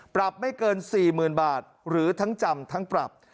ปรับไม่เกิน๔๐๐๐บาทหรือทั้งจำทั้งปรับ